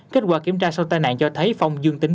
kết quả kiểm tra sau tai nạn cho thấy phong dương tính